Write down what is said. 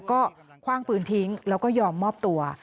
ก็คว่างปืนทิ้งแล้วก็ยอมมอบตัว